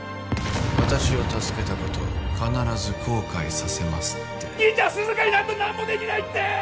私を助けたこと必ず後悔させますって兄ちゃん涼香いないと何もできないって！